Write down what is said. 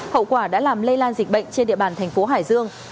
hậu quả đã làm lây lan dịch bệnh trên địa bàn thành phố hải dương